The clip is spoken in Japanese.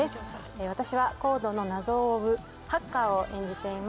私はＣＯＤＥの謎を追うハッカーを演じています。